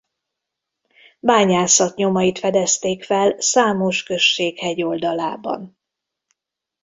Bányászat nyomait fedezték fel számos község hegyoldalában.